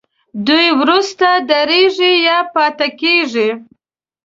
دوی وروسته درېږي یا پاتې کیږي.